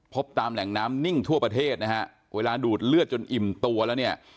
ตามแหล่งน้ำนิ่งทั่วประเทศนะฮะเวลาดูดเลือดจนอิ่มตัวแล้วเนี่ย